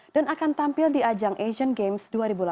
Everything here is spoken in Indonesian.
dan akan tampil di ajang asian games dua ribu delapan belas